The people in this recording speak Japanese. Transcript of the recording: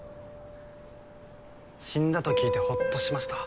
死んだと聞いてホッとしました。